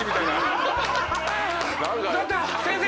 ちょっと先生！